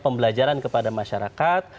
pembelajaran kepada masyarakat